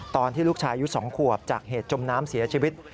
ตอนที่ลูกชายอายุ๒ขวบจากเหตุจมน้ำเสียชีวิต